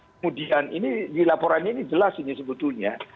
kemudian ini di laporannya ini jelas ini sebetulnya